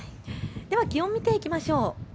気温を見ていきましょう。